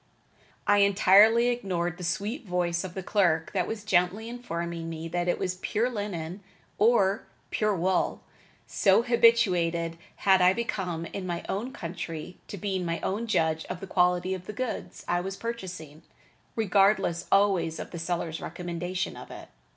I entirely ignored the sweet voice of the clerk that was gently informing me that it was "pure linen" or "pure wool," so habituated had I become in my own country to being my own judge of the quality of the goods I was purchasing, regardless always of the seller's recommendation of it.